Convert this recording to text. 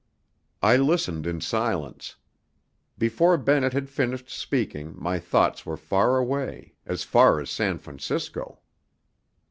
I listened in silence. Before Bennett had finished speaking my thoughts were far away as far as San Francisco.